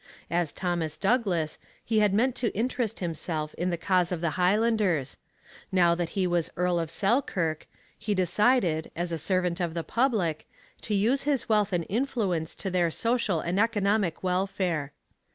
As Thomas Douglas, he had meant to interest himself in the cause of the Highlanders; now that he was Earl of Selkirk, he decided, as a servant of the public, to use his wealth and influence for their social and economic welfare.